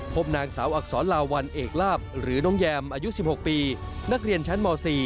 พบนางสาวอักษรลาวัลเอกลาบหรือน้องแยมอายุ๑๖ปีนักเรียนชั้นม๔